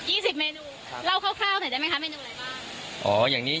ี่สิบเมนูครับเล่าคร่าวคร่าวหน่อยได้ไหมคะเมนูอะไรบ้างอ๋ออย่างนี้